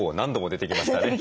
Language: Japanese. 出てきました。